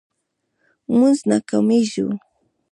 مونږ ناکامیږو